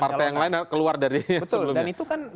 partai yang lain keluar dari sebelumnya